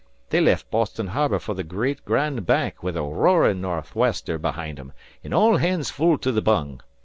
They lef' Boston Harbour for the great Grand Bank wid a roarin' nor'wester behind 'em an' all hands full to the bung.